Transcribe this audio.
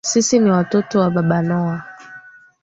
Sisi ni watoto wa Baba Noah